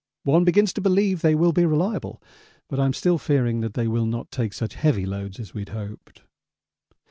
One begins to believe they will be reliable, but I am still fearing that they will not take such heavy loads as we hoped.